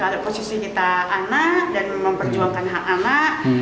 kalau posisi kita anak dan memperjuangkan hak anak